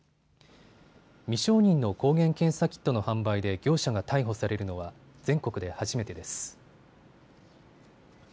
未承認の抗原検査キットの販売で業者が逮捕されるのは全国で初めてです。